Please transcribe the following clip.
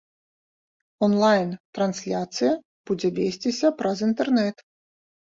Онлайн-трансляцыя будзе весціся праз інтэрнэт.